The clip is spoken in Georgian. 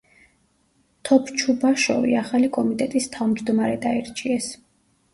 თოფჩუბაშოვი ახალი კომიტეტის თავმჯდომარედ აირჩიეს.